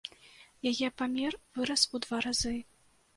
Яе памер вырас у два разы.